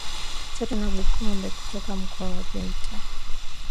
Chato na Bukombe kutoka Mkoa wa Geita